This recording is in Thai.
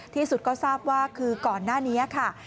ที่สุดก็ทราบว่าก่อนหน้านี้